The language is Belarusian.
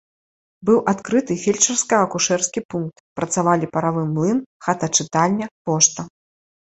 Быў адкрыты фельчарска-акушэрскі пункт, працавалі паравы млын, хата-чытальня, пошта.